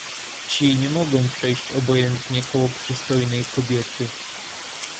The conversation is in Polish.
"Ci nie mogą przejść obojętnie koło przystojnej kobiety."